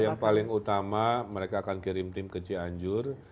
yang paling utama mereka akan kirim tim ke cianjur